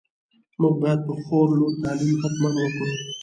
موږ باید په خور لور تعليم حتماً وکړو.